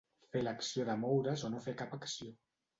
Fer l'acció de moure's o no fer cap acció.